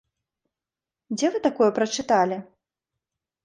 Дзе вы такое прачыталі?